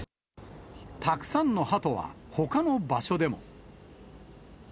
たくさんのハトはほかの場所でも。